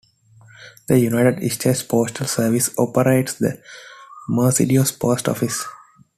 The United States Postal Service operates the Mercedes Post Office.